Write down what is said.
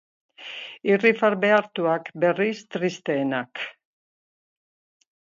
Irrifar behartuak berriz tristeenak.